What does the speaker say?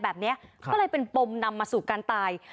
แบบเนี่ยก็เลยเป็นปมนำมาปรับถึงการตาย